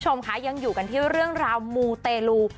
คุณผู้ชมคะยังอยู่กันที่เรื่องราวมูเตลู